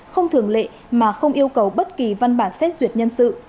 không thường lệ mà không yêu cầu bất kỳ văn bản xét duyệt nhân sự